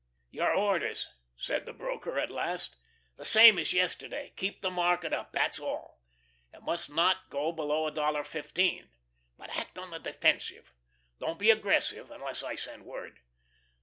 "Your orders?" said the broker, at last. "The same as yesterday; keep the market up that's all. It must not go below a dollar fifteen. But act on the defensive. Don't be aggressive, unless I send word.